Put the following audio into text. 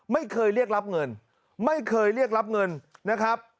ไม่เคยเรียกรับเงินไม่เคยเรียกรับเงินนะครับ